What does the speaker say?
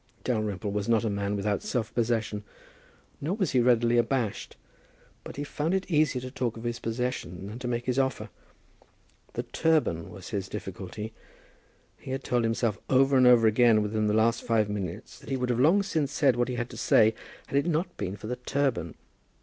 Dalrymple was not a man without self possession, nor was he readily abashed, but he found it easier to talk of his possession than to make his offer. The turban was his difficulty. He had told himself over and over again within the last five minutes, that he would have long since said what he had to say had it not been for the turban.